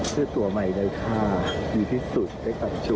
เสื้อตัวใหม่เลยค่ะดีที่สุดได้กลับจัว